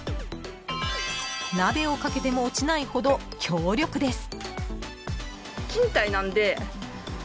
［鍋を掛けても落ちないほど強力です］